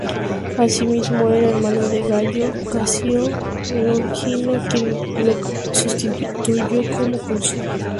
Asimismo era hermano de Gayo Casio Longino, quien lo sustituyó como cónsul.